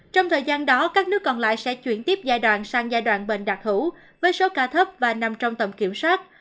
trong thời gian đó các nước còn lại sẽ chuyển tiếp giai đoạn sang giai đoạn bệnh đặc hữu với số ca thấp và nằm trong tầm kiểm soát